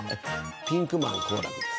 ピンクマン好楽です。